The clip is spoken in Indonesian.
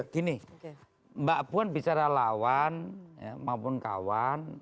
gini mbak puan bicara lawan maupun kawan